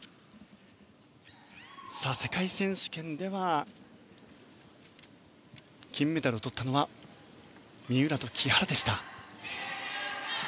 さあ、世界選手権では金メダルをとったのは三浦と木原でした。